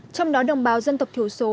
trong đó đồng bào dân tộc thiểu số